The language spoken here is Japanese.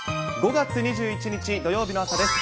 ５月２１日土曜日の朝です。